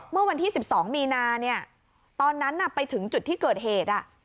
เมื่อวันที่๑๒มีนาเนี่ยตอนนั้นไปถึงจุดที่เกิดเหตุ